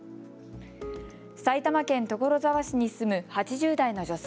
埼玉県所沢市に住む８０代の女性。